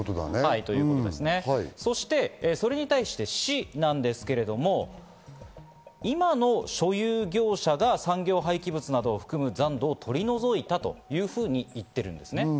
そして、それに対して市なんですけれども、今の所有業者が産業廃棄物などを含む残土を取り除いたというふうに言ってるんですね。